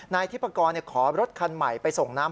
นายทิพกรขอรถคันใหม่ไปส่งน้ำ